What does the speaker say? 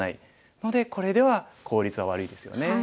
のでこれでは効率は悪いですよね。